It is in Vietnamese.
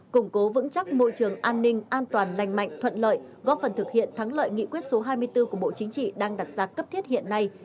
củng cố vững chắc môi trường an ninh an toàn lành mạnh thuận lợi góp phần thực hiện thắng lợi nghị quyết số hai mươi bốn của bộ chính trị đang đặt ra cấp thiết hiện nay